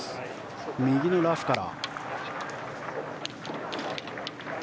右のラフから。